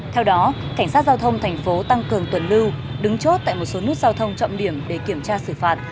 theo đó cảnh sát giao thông thành phố tăng cường tuần lưu đứng chốt tại một số nút giao thông trọng điểm để kiểm tra xử phạt